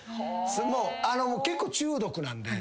もう結構中毒なんで。